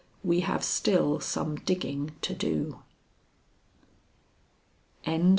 We have still some digging to do."